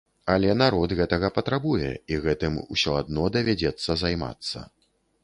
Але народ гэтага патрабуе, і гэтым усё адно давядзецца займацца.